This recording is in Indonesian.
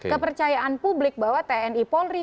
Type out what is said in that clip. kepercayaan publik bahwa tni polri